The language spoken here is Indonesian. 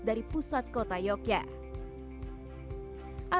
dari pusat kota yogyakarta